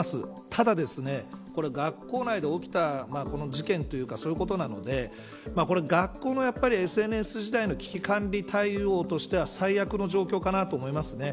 ただ、学校内で起きたこの事件というか、そういうことなので学校のＳＮＳ自体の危機管理対応としては最悪の状況かなと思います。